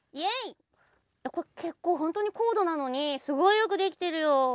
けっこうほんとうにこうどなのにすごいよくできてるよ。